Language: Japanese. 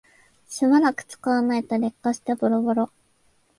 しばらく使わないと劣化してボロボロ